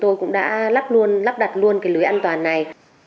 tôi cũng đã lắp đặt luôn cái lưới an toàn này